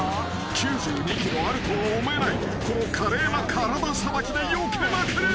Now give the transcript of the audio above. ［９２ｋｇあるとは思えないこの華麗な体さばきでよけまくる］